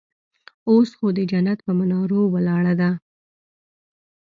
اوس خو د جنت پهٔ منارو ولاړه ده